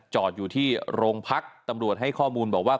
จอดอยู่ที่โรงพักตำรวจให้ข้อมูลบอกว่า